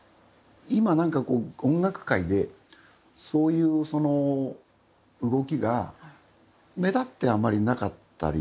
今なんかこう音楽界でそういうその動きが目立ってあまりなかったり。